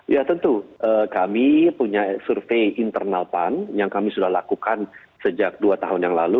ya tentu kami punya survei internal pan yang kami sudah lakukan sejak dua tahun yang lalu